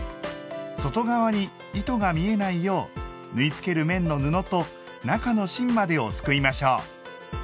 外側に糸が見えないよう縫いつける面の布と中の芯までをすくいましょう。